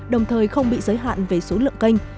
đồng thời không bị giới hạn về số lượng kênh